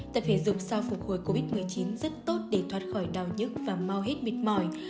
tập thể dục sao phục hồi covid một mươi chín rất tốt để thoát khỏi đau nhức và mau hết mệt mỏi